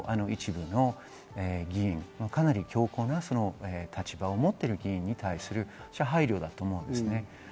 それはやっぱり党内の一部の議員、かなり強行な立場を持ってる議員に対する配慮だと思うんですね。